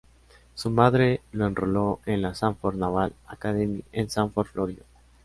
Su madre lo enroló en la Sanford Naval Academy en Sanford, Florida.